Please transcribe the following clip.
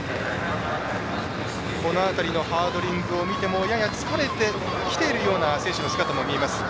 この辺りのハードリングを見ても疲れてきてるような選手も見えます。